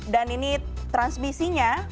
dan ini transmisinya